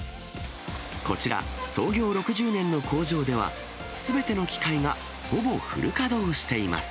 こちら、創業６０年の工場では、すべての機械がほぼフル稼働しています。